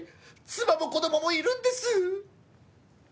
妻も子供もいるんです！